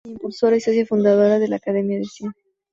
Impulsora y socia fundadora de la Academia de Cine.